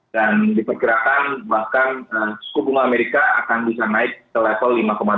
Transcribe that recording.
dan diperkirakan bahkan suku bunga amerika akan bisa naik ke level lima dua puluh lima